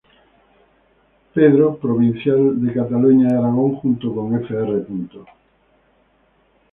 Pedro, provincial de Cataluña y Aragón, junto con fr.